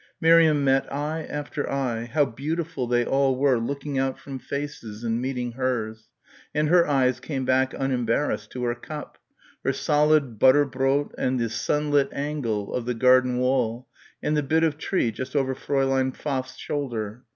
Miriam met eye after eye how beautiful they all were looking out from faces and meeting hers and her eyes came back unembarrassed to her cup, her solid butter brot and the sunlit angle of the garden wall and the bit of tree just over Fräulein Pfaff's shoulder.